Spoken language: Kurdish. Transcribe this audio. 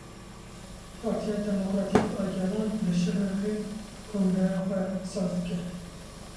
Partiya Demokratîk a Gelan li Şirnexê kongreya xwe saz dike.